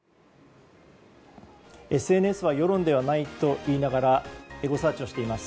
ＳＮＳは世論ではないと言いながらエゴサーチをしています。